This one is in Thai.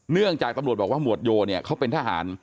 เนื่องจากตำรวจบอกว่าหมวดโยเนี่ยเขาเป็นทหาร